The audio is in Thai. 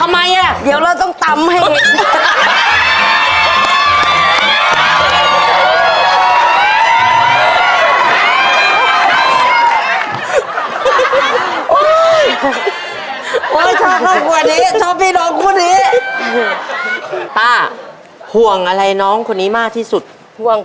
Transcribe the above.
แมวจะให้กินโทรออกอากาศด้วย